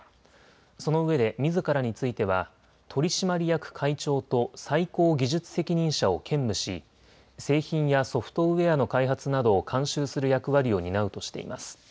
そのうえでみずからについては取締役会長と最高技術責任者を兼務し製品やソフトウエアの開発などを監修する役割を担うとしています。